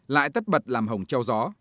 lại tất bật làm hồng trao gió